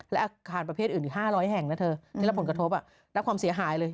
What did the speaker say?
และอาคารประเภทอื่นอีก๕๐๐แห่งนะเธอที่รับผลกระทบรับความเสียหายเลย